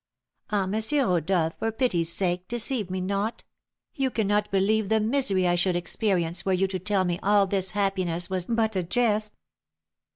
"Ah, M. Rodolph, for pity's sake deceive me not; you cannot believe the misery I should experience were you to tell me all this happiness was but a jest."